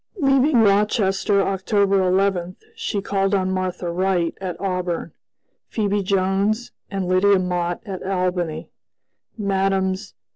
Leaving Rochester, October 11, she called on Martha Wright at Auburn; Phebe Jones and Lydia Mott at Albany; Mmes.